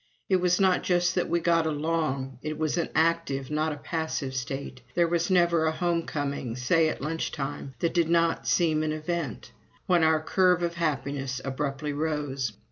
It was not just that we got along. It was an active, not a passive state. There was never a home coming, say at lunch time, that did not seem an event when our curve of happiness abruptly rose.